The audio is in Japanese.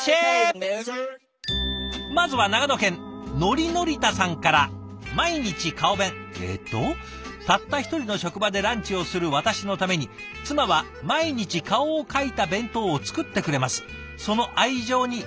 まずはえっと「たった一人の職場でランチをする私のために妻は毎日顔を描いた弁当を作ってくれます。